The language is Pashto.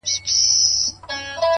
o هغه وكړې سوگېرې پــه خـاموشـۍ كي؛